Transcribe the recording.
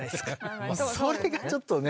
それがちょっとね。